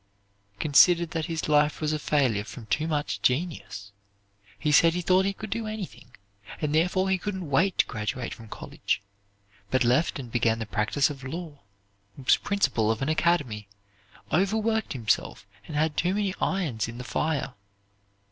considered that his life was a failure from too much genius. He said he thought he could do anything, and therefore he couldn't wait to graduate from college, but left and began the practise of law, was principal of an academy, overworked himself, and had too many irons in the fire.